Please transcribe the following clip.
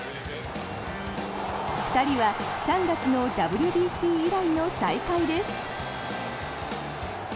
２人は３月のＷＢＣ以来の再会です。